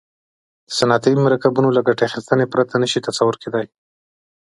د صنعتي مرکبونو له ګټې اخیستنې پرته نه شي تصور کیدای.